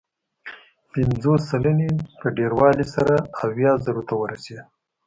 پنځوس سلنې په ډېروالي سره اویا زرو ته ورسېد.